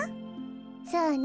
そうね。